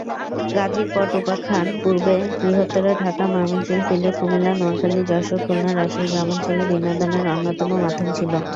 গাজীর পট উপাখ্যান পূর্বে বৃহত্তর ঢাকা, ময়মনসিংহ, সিলেট, কুমিল্লা, নোয়াখালী, যশোর, খুলনা, রাজশাহীর গ্রামাঞ্চলে বিনোদনের অন্যতম মাধ্যম ছিল।